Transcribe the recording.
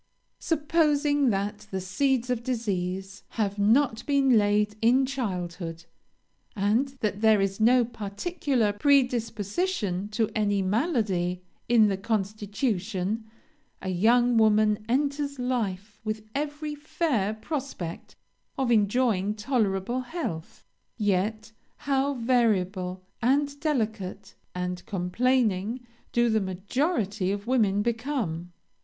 "Supposing that the seeds of disease have not been laid in childhood, and that there is no particular predisposition to any malady in the constitution, a young woman enters life with every fair prospect of enjoying tolerable health; yet, how variable, and delicate, and complaining, do the majority of women become!